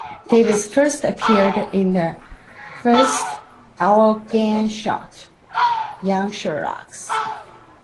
Davis first appeared in the first Our Gang short, "Young Sherlocks".